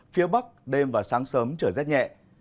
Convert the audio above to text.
phía bắc đêm và sáng sớm trở rét nhẹ